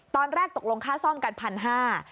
ตอนแรกตกลงค่าซ่อมกันพันห้า